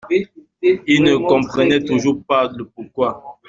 Il ne comprenait toujours pas le pourquoi.